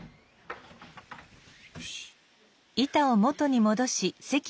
よし。